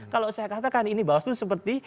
kalau saya katakan ini bawaslu seperti